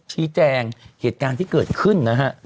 ชี้แจงเหตุการณ์ที่เกิดขึ้นนะฮะ